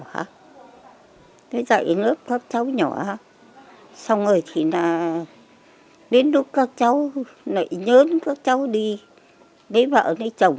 cái dạy lớp các cháu nhỏ xong rồi thì là đến lúc các cháu lại nhớ các cháu đi lấy vợ lấy chồng